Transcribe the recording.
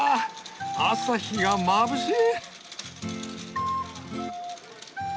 朝日がまぶしい！